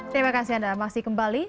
terima kasih anda masih kembali